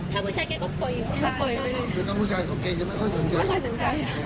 แต่เป็นผู้หญิง